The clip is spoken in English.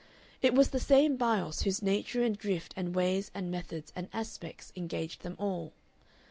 It was the same Bios whose nature and drift and ways and methods and aspects engaged them all.